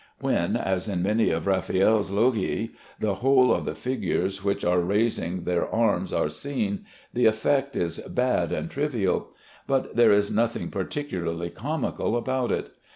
When, as in many of Raffaelle's Loggie, the whole of the figures which are raising their arms are seen, the effect is bad and trivial; but there is nothing particularly comical about it.